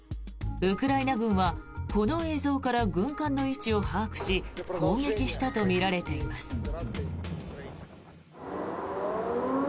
ウクライナ軍はこの映像から軍艦の位置を把握し攻撃したとみられています。